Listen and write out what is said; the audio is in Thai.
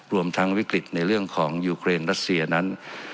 รวมทั้งวิกฤตในเรื่องของยูเครนรัสเซียนั้น